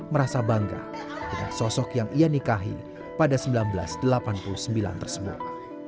merasa bangga dengan sosok yang ia nikahi pada seribu sembilan ratus delapan puluh sembilan tersebut